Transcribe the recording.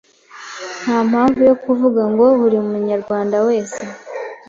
nta mpamvu yo kuvuga ngo buri Munyarwanda wese